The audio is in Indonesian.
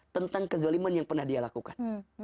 tentang kezoliman yang pernah dia lakukan